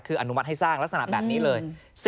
คืออนุมัติให้สร้างลักษณะแบบนี้เลย